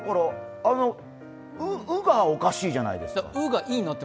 「う」がおかしいじゃないですか。